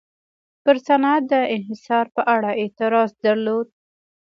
پر صنعت د انحصار په اړه اعتراض درلود.